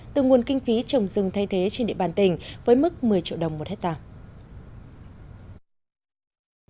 từ nguồn kinh phí trồng rừng thay thế trên địa bàn tỉnh với mức một mươi triệu đồng một hectare